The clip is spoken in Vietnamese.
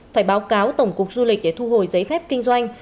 phải báo cáo tổng cục du lịch để thu hồi giấy phép kinh doanh